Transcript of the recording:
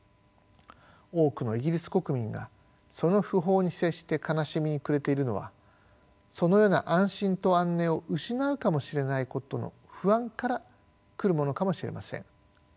多くのイギリス国民がその訃報に接して悲しみに暮れているのはそのような安心と安寧を失うかもしれないことの不安から来るものかもしれません。